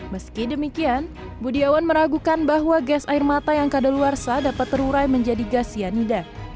meski demikian budiawan meragukan bahwa gas air mata yang kadaluarsa dapat terurai menjadi gas cyanida